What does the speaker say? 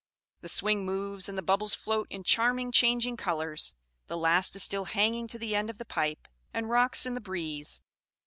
The swing moves, and the bubbles float in charming changing colors: the last is still hanging to the end of the pipe, and rocks in the breeze.